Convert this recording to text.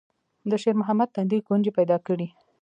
د شېرمحمد تندي ګونځې پيدا کړې.